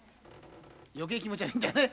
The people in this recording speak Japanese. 余計気持ち悪いんだよね。